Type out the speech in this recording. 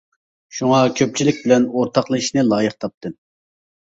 شۇڭا كۆپچىلىك بىلەن ئورتاقلىشىشنى لايىق تاپتىم.